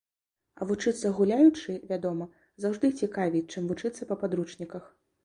А вучыцца гуляючы, вядома, заўжды цікавей, чым вучыцца па падручніках.